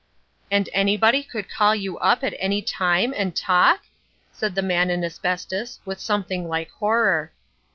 "And anybody could call you up at any time and talk?" said the Man in Asbestos, with something like horror.